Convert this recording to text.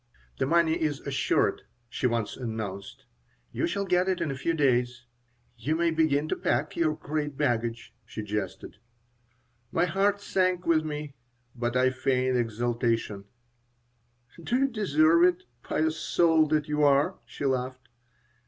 "The money is assured," she once announced. "You shall get it in a few days. You may begin to pack your great baggage," she jested My heart sank within me, but I feigned exultation "Do you deserve it, pious soul that you are?" she laughed.